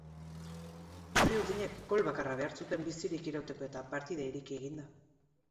Txuri-urdinek gol bakarra behar zuten bizirik irauteko eta partida ireki egin da.